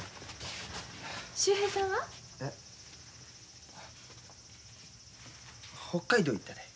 秀平さんは？えっ？北海道行ったで。